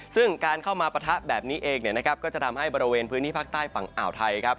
ซึ่งการเข้ามาปะทะแบบนี้เองก็จะทำให้บริเวณพื้นที่ภาคใต้ฝั่งอ่าวไทยครับ